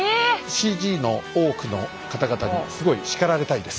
ＣＧの大奥の方々にすごい叱られたいです